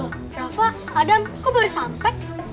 loh rafa adam kok baru sampai